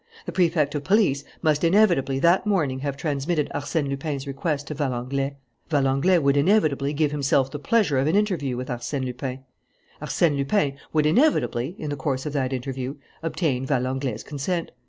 The Prefect of Police must inevitably that morning have transmitted Arsène Lupin's request to Valenglay. Valenglay would inevitably give himself the pleasure of an interview with Arsène Lupin. Arsène Lupin would inevitably, in the course of that interview, obtain Valenglay's consent.